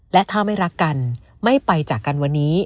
และถ้าไม่รักกันไม่ไปจากกันวันนี้